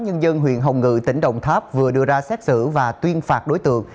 nhân dân huyện hồng ngự tỉnh đồng tháp vừa đưa ra xét xử và tuyên phạt đối tượng